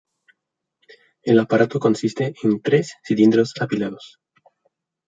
El aparato consiste en tres cilindros apilados.